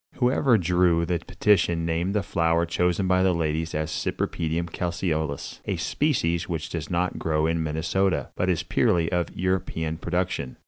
Whoever drew the petition named the flower chosen by the ladies as "Cypripedium Calceolous," a species which does not grow in Minnesota, but is purely of European production.